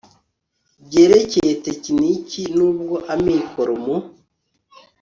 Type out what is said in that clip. byerekeye tekiniki n ubw amikoro mu